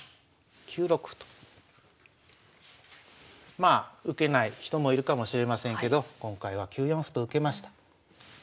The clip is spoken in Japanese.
まあ受けない人もいるかもしれませんけど今回は９四歩と受けました。